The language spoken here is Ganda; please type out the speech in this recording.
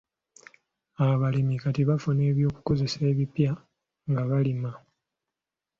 Abalimi kati bafuna eby'okukozesa ebipya nga balima.